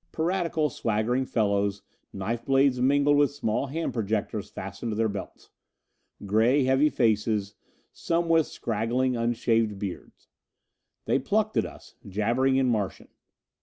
Piratical swaggering fellows, knife blades mingled with small hand projectors fastened to their belts. Gray, heavy faces, some with scraggling, unshaved beard. They plucked at us, jabbering in Martian.